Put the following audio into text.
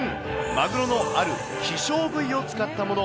マグロのある希少部位を使ったもの。